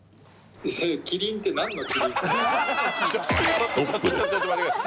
ちょっとちょっと待ってください！